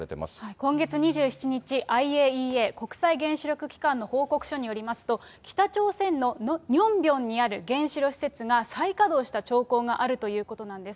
今月２７日、ＩＡＥＡ・国際原子力機関の報告書によりますと、北朝鮮のニョンビョンにある原子炉施設が、再稼働した兆候があるということなんです。